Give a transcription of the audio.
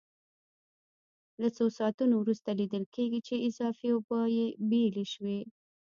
له څو ساعتونو وروسته لیدل کېږي چې اضافي اوبه یې بېلې شوې.